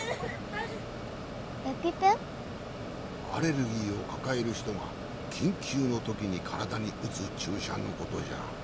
アレルギーをかかえるひとがきんきゅうのときにからだにうつちゅうしゃのことじゃ。